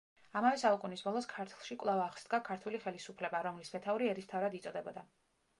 ამავე საუკუნის ბოლოს ქართლში კვლავ აღსდგა ქართული ხელისუფლება, რომლის მეთაური ერისმთავრად იწოდებოდა.